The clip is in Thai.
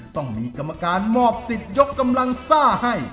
ต้องมีกรรมการมอบสิทธิ์ยกกำลังซ่าให้